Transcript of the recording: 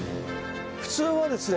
普通はですね